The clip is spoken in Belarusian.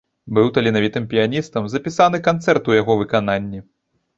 Быў таленавітым піяністам, запісаны канцэрты ў яго выкананні.